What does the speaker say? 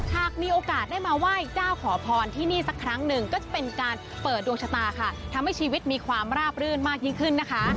หากมีโอกาสได้มาไหว้เจ้าขอพรที่นี่สักครั้งหนึ่งก็จะเป็นการเปิดดวงชะตาค่ะทำให้ชีวิตมีความราบรื่นมากยิ่งขึ้นนะคะ